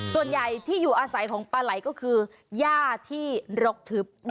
ส่วนใหญ่ที่อยู่อาศัยของปลาไหล่ก็คือย่าที่รกทึบ